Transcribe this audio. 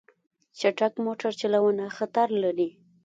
چټک موټر چلوونه خطر لري.